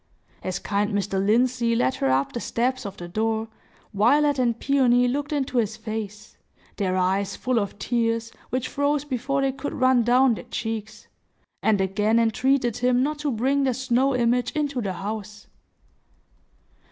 As kind Mr. Lindsey led her up the steps of the door, Violet and Peony looked into his face,—their eyes full of tears, which froze before they could run down their cheeks,—and again entreated him not to bring their snow image into the house.